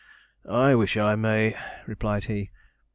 'I wish I may,' replied he.